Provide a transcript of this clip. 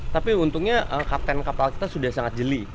tapi untungnya kapten kapal kita sudah sangat jeli